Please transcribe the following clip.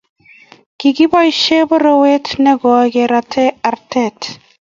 kikiboisien borowe ne goi kerate arte